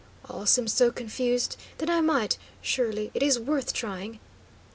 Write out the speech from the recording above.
"All seems so confused, that I might surely it is worth trying."